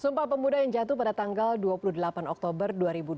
sumpah pemuda yang jatuh pada tanggal dua puluh delapan oktober dua ribu dua puluh